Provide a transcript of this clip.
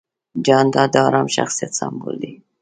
جانداد د ارام شخصیت سمبول دی.